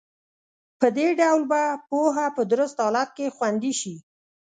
په دې ډول به پوهه په درست حالت کې خوندي شي.